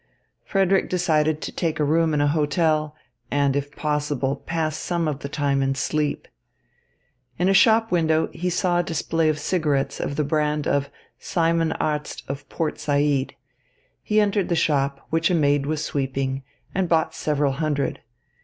Frederick decided to take a room in a hotel, and, if possible, pass some of the time in sleep. In a shop window he saw a display of cigarettes of the brand of Simon Arzt of Port Said. He entered the shop, which a maid was sweeping, and bought several hundred.